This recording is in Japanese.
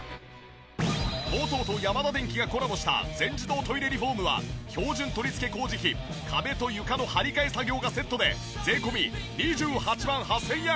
ＴＯＴＯとヤマダデンキがコラボした全自動トイレリフォームは標準取り付け工事費壁と床の張り替え作業がセットで税込２８万８０００円。